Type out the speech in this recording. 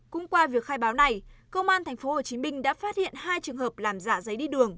cũng qua việc khai báo này công an tp hcm đã phát hiện hai trường hợp làm giả giấy đi đường